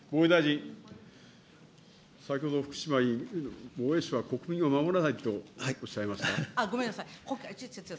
先ほど、福島委員、防衛省は国民を守らないとおっしゃいました。